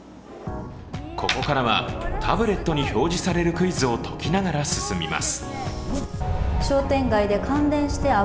ここからは、タブレットに表示されるクイズを解きながら進みます。